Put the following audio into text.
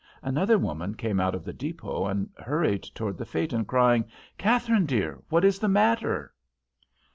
Another woman came out of the depot and hurried toward the phaeton, crying, "Katharine, dear, what is the matter?"